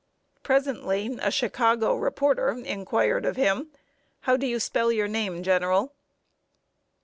Presently a Chicago reporter inquired of him: "How do you spell your name, General?"